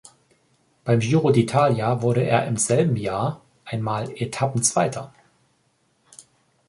Beim Giro d’Italia wurde er im selben Jahr einmal Etappenzweiter.